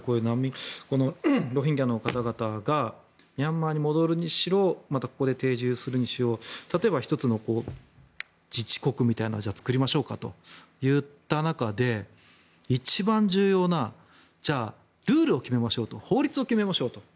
ロヒンギャの方々がミャンマーに戻るにしろまたここで定住するにしろ例えば１つの自治国みたいなものを作りましょうかといった中で一番重要なルールを決めましょうと法律を決めましょうと。